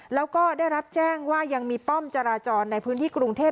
แล้วก็ได้รับแจ้งว่ายังมีป้อมจราจรในพื้นที่กรุงเทพ